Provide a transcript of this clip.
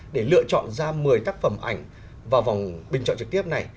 để lựa chọn ra một mươi tác phẩm ảnh vào vòng bình chọn trực tiếp này